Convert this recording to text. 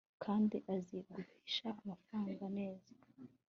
kandi azi guhisha amafaranga neza